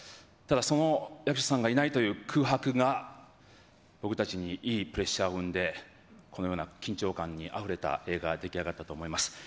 ただその役所さんがいないという空白が、僕たちにいいプレッシャーを生んで、このような緊張感にあふれた映画が出来上がったと思います。